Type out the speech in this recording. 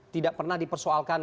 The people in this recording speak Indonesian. tidak pernah dipersoalkan